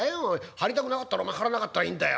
張りたくなかったら張らなかったらいいんだよ。